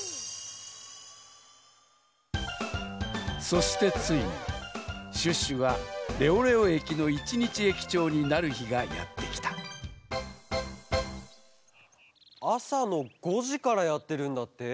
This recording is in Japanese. そしてついにシュッシュがレオレオ駅の一日駅長になるひがやってきたあさの５じからやってるんだって？